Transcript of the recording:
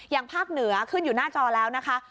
ภาคเหนือขึ้นอยู่หน้าจอแล้วนะคะ